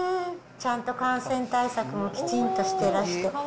ちゃんと感染対策もきちんとしてらして。